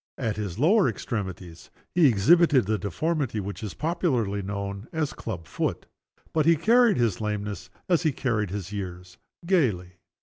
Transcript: At his lower extremities, he exhibited the deformity which is popularly known as "a club foot." But he carried his lameness, as he carried his years, gayly.